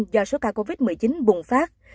do sức ca covid một mươi chín bùng phát